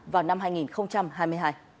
vào năm hai nghìn hai mươi hai